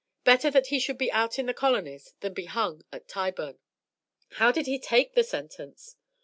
Better that he should be out in the colonies than be hung at Tyburn." "How did he take the sentence?"